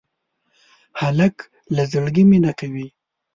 هلک له زړګي مینه کوي.